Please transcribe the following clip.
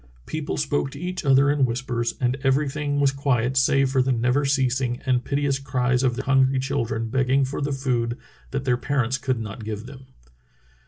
People spoke to each other in whispers, and everything was quiet save for the never ceasing and piteous cries of the hungry children begging for the food that their parents could not give them.